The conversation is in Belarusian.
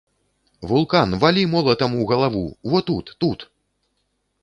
Вулкан, валі молатам у галаву во тут, тут!